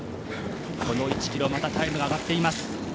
この１ｋｍ、またタイムが上がっています。